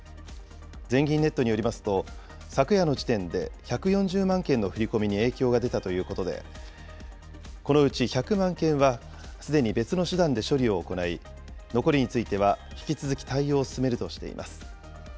全銀ネットによりますと、昨夜の時点で１４０万件の振り込みに影響が出たということで、このうち１００万件はすでに別の手段で処理を行い、残りについては引き続き対応を進めるとしています。